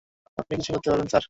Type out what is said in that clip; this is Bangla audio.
আপনি কিছু করতে পারবেন, স্যার?